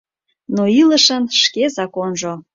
Но илышын — шке законжо.